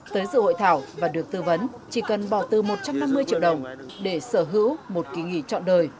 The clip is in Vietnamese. tới dự hội thảo và được tư vấn chỉ cần bỏ từ một trăm năm mươi triệu đồng để sở hữu một kỳ nghỉ trọn đời